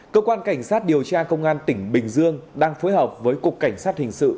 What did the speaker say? cơ quan cảnh sát điều tra công an tỉnh bình dương đang phối hợp với cục cảnh sát hình sự